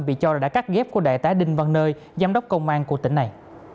vì cho là đã cắt ghép của đại tá đinh văn nơi giám đốc công an của tỉnh này